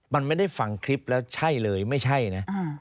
มันไม่ได้ฟังคลิปแล้วใช่เลยไม่ใช่นะ